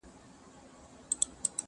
o نابلده غل جومات ماتوي!